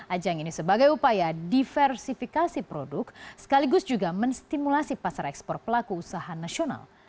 ajang ini sebagai upaya diversifikasi produk sekaligus juga menstimulasi pasar ekspor pelaku usaha nasional